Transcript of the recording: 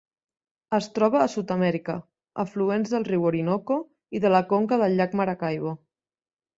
Es troba a Sud-amèrica: afluents del riu Orinoco i de la conca del llac Maracaibo.